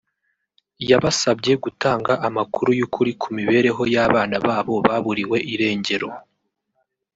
yabasabye gutanga amakuru y’ukuri ku mibereho y’abana babo baburiwe irengero